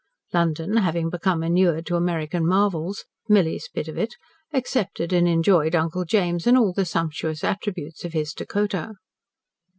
London, having become inured to American marvels Milly's bit of it accepted and enjoyed Uncle James and all the sumptuous attributes of his Dakota.